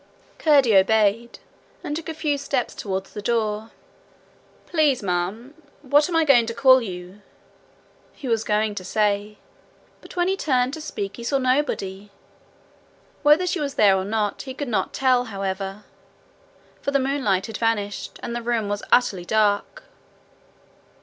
Curdie obeyed, and took a few steps toward the door. 'Please, ma'am what am I to call you?' he was going to say; but when he turned to speak, he saw nobody. Whether she was there or not he could not tell, however, for the moonlight had vanished, and the room was utterly dark.